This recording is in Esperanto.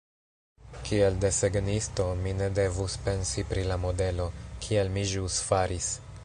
Kiel desegnisto, mi ne devus pensi pri la modelo, kiel mi ĵus faris.